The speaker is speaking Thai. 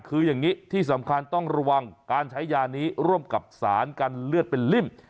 คืออย่างนี้ที่สำคัญต้องระวังการใช้ยานี้ร่วมกับสารกันเลือดเป็นลิ่ม